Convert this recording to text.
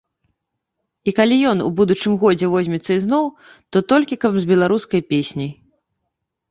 І калі ён у будучым годзе возьмецца ізноў, то толькі каб з беларускай песняй.